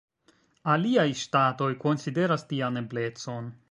Aliaj ŝtatoj konsideras tian eblecon.